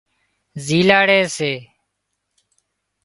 زيلاڙي سي